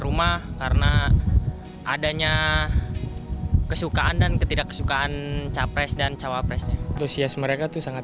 rumah karena adanya kesukaan dan ketidaksukaan capres dan cawapresnya antusias mereka itu sangat